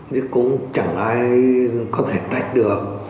chứ cũng chẳng ai có thể trách được